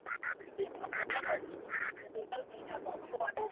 Kutoa taarifa kwa wataalamu wa tiba za mifugo hukabiliana na ugonjwa wa mkojo damu